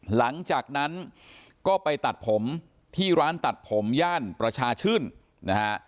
หลังจากนั้นก็ไปตัดผมที่ร้านตัดผมย่านประชาชื่นนะฮะ